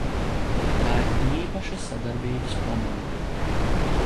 Tā ir īpaša sadarbības komūna.